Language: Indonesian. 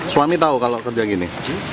suami tahu kalau kerja gini